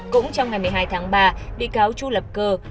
cũng trong ngày một mươi hai tháng ba bị cáo chu lập cơ